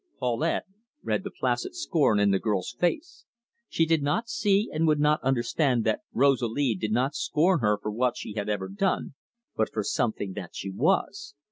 Paulette read the placid scorn in the girl's face; she did not see and would not understand that Rosalie did not scorn her for what she had ever done, but for something that she was.